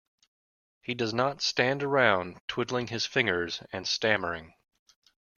He does not stand around, twiddling his fingers and stammering.